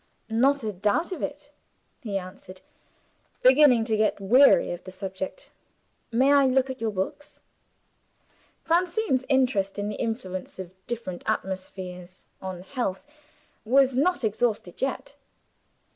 "Not a doubt of it," he answered, beginning to get weary of the subject. "May I look at your books?" Francine's interest in the influence of different atmospheres on health was not exhausted yet.